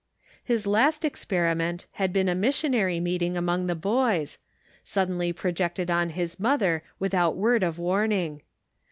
His last experiment had been a missionary " Good Measure" 507 meeting among the boys, suddenly projected on his mother without word of warning.